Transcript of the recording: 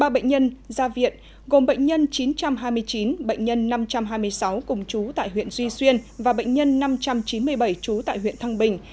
ba bệnh nhân ra viện gồm bệnh nhân chín trăm hai mươi chín bệnh nhân năm trăm hai mươi sáu cùng chú tại huyện duy xuyên và bệnh nhân năm trăm chín mươi bảy trú tại huyện thăng bình